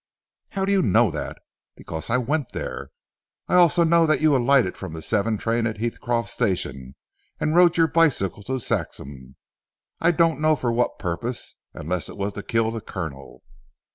"How do you know that?" "Because I went there. And I know also that you alighted from the seven train at Heathcroft station, and rode on your bicycle to Saxham 'I don't know for what purpose, unless it was to kill the Colonel."